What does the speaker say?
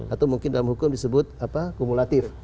atau mungkin dalam hukum disebut kumulatif